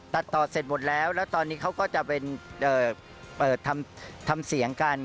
ตัดต่อเสร็จหมดแล้วแล้วตอนนี้เขาก็จะเป็นเปิดทำเสียงกัน